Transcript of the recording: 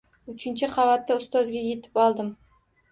Uchinchi qavatda ustozga yetib oldim